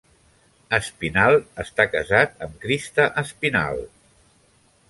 Aspinall està casat amb Christa Aspinall.